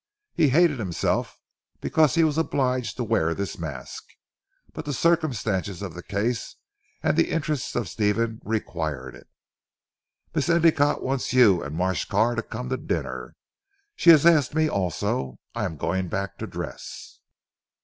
He hated himself because he was obliged to wear this mask; but the circumstances of the case and the interests of Stephen required it. "Miss Endicotte wants you and Marsh Carr to come to dinner. She has asked me also. I am going back to dress."